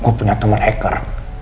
gue punya temen hacker